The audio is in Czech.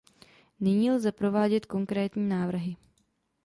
Nyní lze provádět konkrétní návrhy.